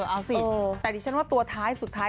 เอาสิแต่ดิฉันว่าตัวท้ายสุดท้าย